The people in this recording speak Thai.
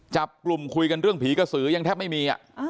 จับกลุ่มคุยกันเรื่องผีกระสือยังแทบไม่มี